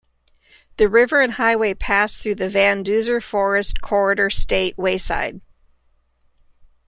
The river and highway pass through the Van Duzer Forest Corridor State Wayside.